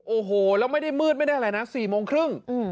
โอ้โหแล้วไม่ได้มืดไม่ได้อะไรนะ๔โมงครึ่ง